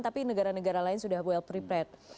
tapi negara negara lain sudah well pret